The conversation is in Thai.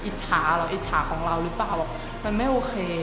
อิจฉาเหรออิจฉาของเราหรือเปล่ามันไม่โอเค